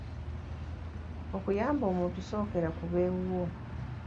Okuyamba omuntu sookera ku b'ewuwo